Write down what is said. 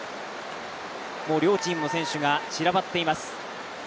両チームの選手が散らばっています。